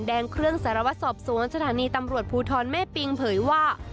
แดงเครื่องสารวสอบสวนสถานีตำรวจภูตอนเม้ปิงเผยว่า